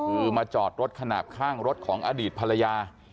คือมาจอดรถขนาดข้างรถของอดีตภรรยา